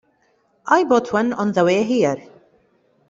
I bought one on the way here.